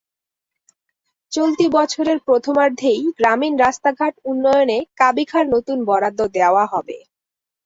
চলতি বছরের প্রথমার্ধেই গ্রামীণ রাস্তাঘাট উন্নয়নে কাবিখার নতুন বরাদ্দ দেওয়া হবে।